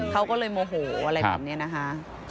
เขาก็เลยโมโหอะไรแบบนี้นะคะ